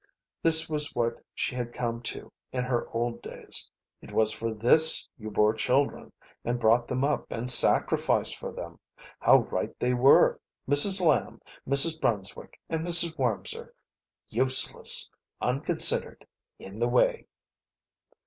This was what she had come to in her old days. It was for this you bore children, and brought them up and sacrificed for them. How right they were Mrs. Lamb, Mrs. Brunswick, and Mrs. Wormser. Useless. Unconsidered. In the way.